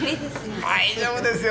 大丈夫ですよ。